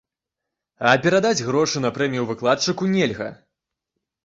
А перадаць грошы на прэмію выкладчыку нельга.